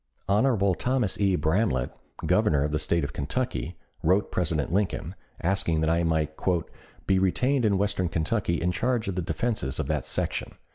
Hon. Thomas E. Bramlette, Governor of the State of Kentucky, wrote President Lincoln, asking that I might "be retained in western Kentucky in charge of the defenses of that section.